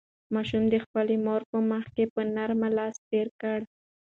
ماشوم د خپلې مور په مخ په نرمۍ لاس تېر کړ.